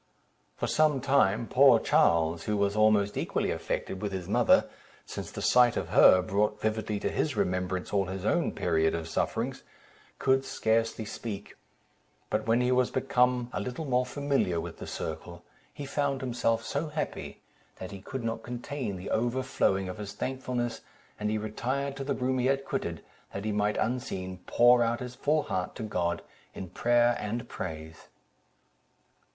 For some time, poor Charles, who was almost equally affected with his mother (since the sight of her brought vividly to his remembrance all his own period of sufferings), could scarcely speak; but when he was become a little more familiar with the circle, he found himself so happy, that he could not contain the overflowing of his thankfulness; and he retired to the room he had quitted, that he might, unseen, pour out his full heart to God, in prayer and praise.